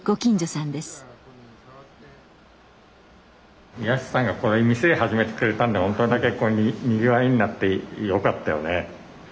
泰さんがこういう店始めてくれたんでほんとにぎわいになってよかったよね。